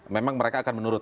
memang mereka akan menurut